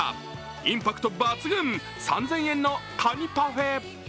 インパクト抜群、３０００円のカニパフェ。